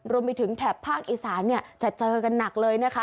แถบภาคอีสานจะเจอกันหนักเลยนะคะ